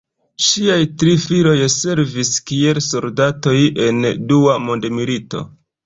Ŝiaj tri filoj servis kiel soldatoj en Dua mondmilito.